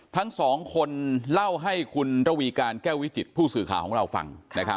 ทั้งสองคนเล่าให้คุณระวีการแก้ววิจิตผู้สื่อข่าวของเราฟัง